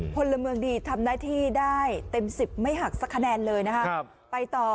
พลเมืองดีทำหน้าที่ได้เต็ม๑๐ไม่หักสักคะแนนเลยนะครับไปต่อ